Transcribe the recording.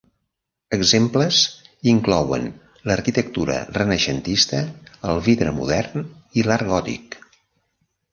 Exemples inclouen l'arquitectura renaixentista, el vidre modern i l'art gòtic.